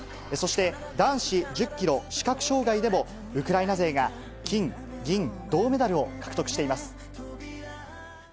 そして、男子１０キロ視覚障害でも、ウクライナ勢が金銀銅メダルを獲得しています。